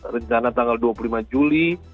rencana tanggal dua puluh lima juli